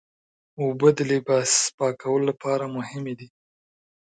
اوبه د لباسي پاکولو لپاره مهمې دي.